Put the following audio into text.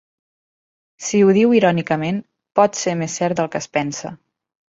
Si ho diu irònicament, pot ser més cert del que es pensa.